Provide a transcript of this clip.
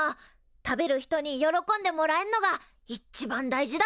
食べる人に喜んでもらえんのが一番大事だから。